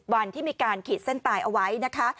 ๑๒๐วันที่มีการเขียนเส้นตายเอาไว้